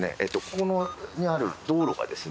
ここにある道路がですね